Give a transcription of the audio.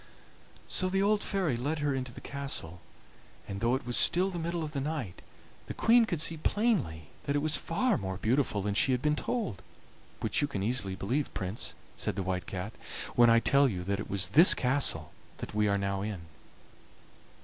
"So the old fairy led her into the castle, and, though it was still the middle of the night, the Queen could see plainly that it was far more beautiful than she had been told, which you can easily believe, Prince," said the White Cat, "when I tell you that it was this castle that we are now in.